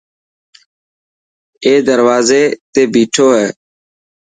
اي دروازي تي ٻيٺو هي.